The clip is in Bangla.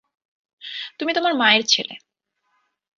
তুমি তোমার মায়ের ছেলে।